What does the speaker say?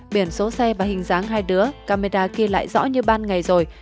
biển số xe và hình dáng hai đứa camera ghi lại rõ như ban ngày rồi